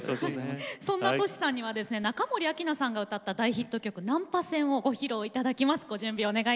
そんなＴｏｓｈｌさんには中森明菜さんが歌った大ヒット曲「難破船」をご披露いただきます。